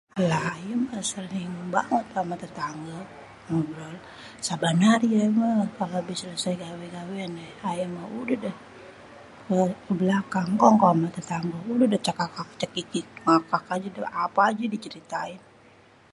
Lah, ayé méh sering bangét amé tétanggé ngobrol. Saban hari ayé meh, kalau abis selesai gawé-gawéan ayé méh udéh déh, ke belakang. Kongko amé tetanggé udéh déh, cekak-cekikik ngakak ajé déh, apé ajé diceritain.